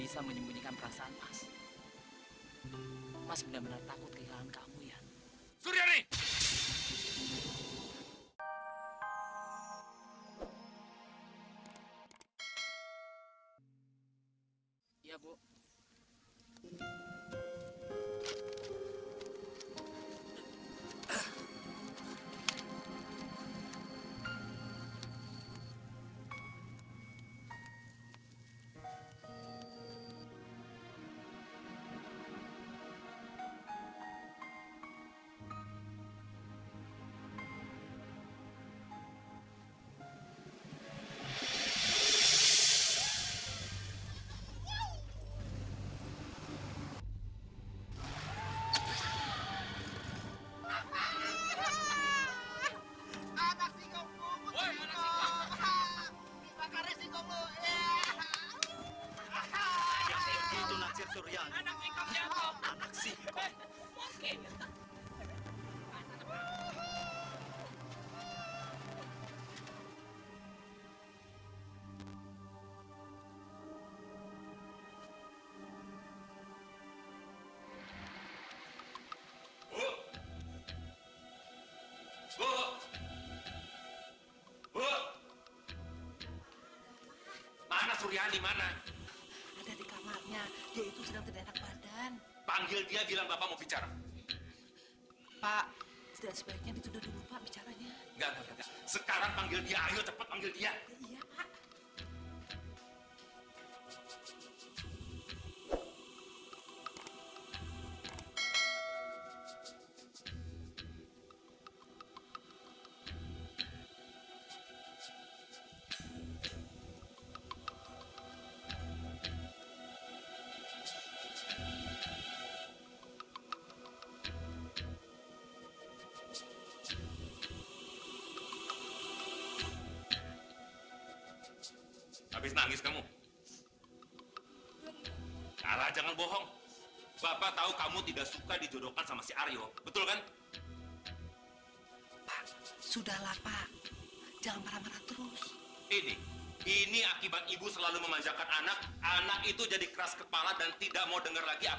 sekarang panggil dia ayo cepat panggil dia